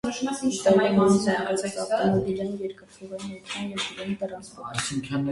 Իտալիան ունի զարգացած ավտոմոբիլային, երկաթուղային, օդային և ջրային տրանսպորտ։